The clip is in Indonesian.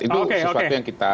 itu sesuatu yang kita